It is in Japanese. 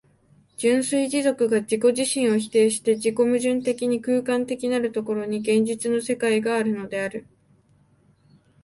純粋持続が自己自身を否定して自己矛盾的に空間的なる所に、現実の世界があるのである。